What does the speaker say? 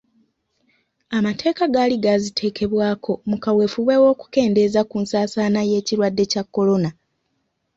Amateeka gaali gaaziteekebwako mu kaweefube w'okukendeeza ku nsaasaana y'ekirwadde kya korona.